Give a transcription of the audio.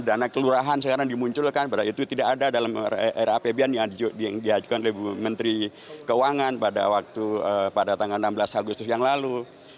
dana kelurahan sekarang dimunculkan berarti itu tidak ada dalam era apbn yang diajukan oleh menteri keuangan pada tanggal enam belas agustus yang lalu